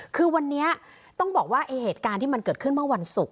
คือวันนี้ต้องบอกว่าเหตุการณ์ที่มันเกิดขึ้นเมื่อวันศุกร์